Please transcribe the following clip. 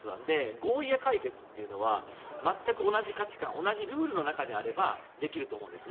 合意や解決というのは全く同じ価値観同じルールの中であればできると思うんですね。